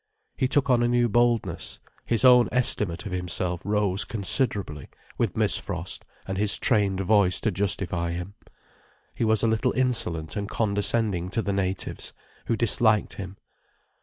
He took on a new boldness, his own estimate of himself rose considerably, with Miss Frost and his trained voice to justify him. He was a little insolent and condescending to the natives, who disliked him.